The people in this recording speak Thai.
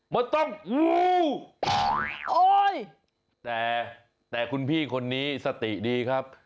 มันต้องงูโอ้ยแต่แต่คุณพี่คนนี้สติดีครับ